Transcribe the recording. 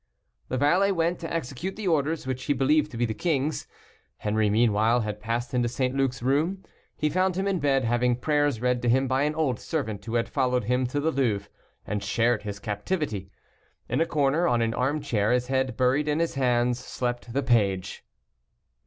The valet went to execute the orders, which he believed to be the king's. Henri meanwhile had passed into St. Luc's room. He found him in bed, having prayers read to him by an old servant who had followed him to the Louvre, and shared his captivity. In a corner, on an armchair, his head buried in his hands, slept the page.